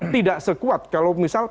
tidak sekuat kalau misal